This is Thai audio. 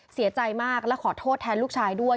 เสียใจมากและขอโทษแทนลูกชายด้วย